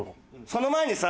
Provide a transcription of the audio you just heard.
その前にさ